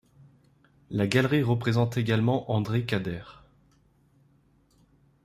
La galerie représente également André Cadere.